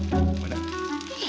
baik baik gimana gitu